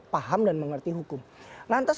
paham dan mengerti hukum lantas